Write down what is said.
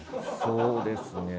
そうですね。